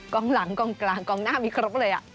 กองหลังกองกลางกองหน้ามีครบเลย